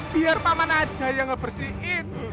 biar pak manajah yang ngebersihin